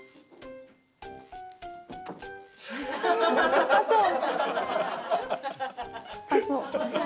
酸っぱそう！